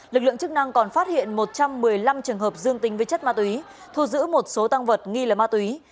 lực lượng chức năng còn phát hiện một trăm một mươi năm trường hợp dương tính với chất ma túy thu giữ một số tăng vật nghi là ma túy